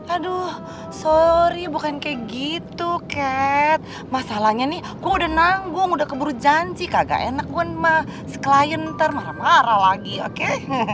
aduh sorry bukan kayak gitu cat masalahnya nih gue udah nanggung udah keburu janji kagak enak gue nema seklien ntar marah marah lagi oke